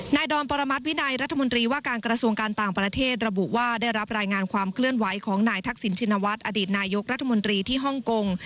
ดอนปรมัติวินัยรัฐมนตรีว่าการกระทรวงการต่างประเทศระบุว่าได้รับรายงานความเคลื่อนไหวของนายทักษิณชินวัฒน์อดีตนายกรัฐมนตรีที่ฮ่องกง